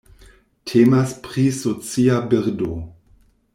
Temas pri socia birdo.